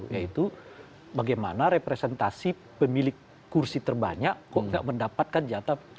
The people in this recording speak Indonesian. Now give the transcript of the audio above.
yaitu bagaimana representasi pemilik kursi terbanyak kok nggak mendapatkan jatah